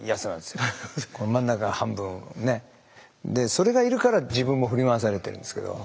それがいるから自分も振り回されてるんですけど。